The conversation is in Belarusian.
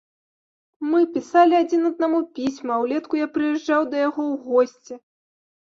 Мы пісалі адзін аднаму пісьмы, а ўлетку я прыязджаў да яго ў госці.